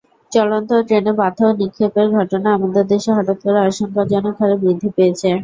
চলন্ত ট্রেনে পাথর নিক্ষেপের ঘটনা আমাদের দেশে হঠাৎ করে আশঙ্কাজনক হারে বৃদ্ধি পেয়েছে।